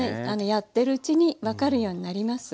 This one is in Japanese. やってるうちに分かるようになります。